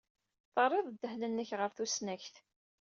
Terriḍ ddehn-nnek ɣer tusnakt.